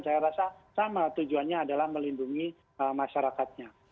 saya rasa sama tujuannya adalah melindungi masyarakatnya